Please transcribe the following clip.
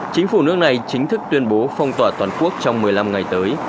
chính phủ nước này chính thức tuyên bố phong tỏa toàn quốc trong một mươi năm ngày tới